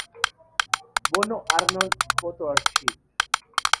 Benno Arnold Photo Archive.